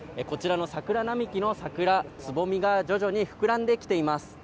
こちらの桜並木の桜、つぼみが徐々に膨らんできています。